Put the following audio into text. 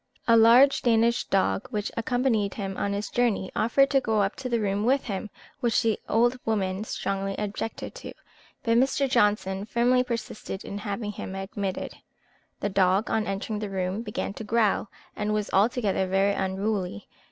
A large Danish dog, which accompanied him on his journey, offered to go up to the room with him, which the old woman strongly objected to, but Mr. Johnson firmly persisted in having him admitted. The dog, on entering the room, began to growl, and was altogether very unruly.